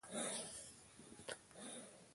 باد د ګلو نڅا ده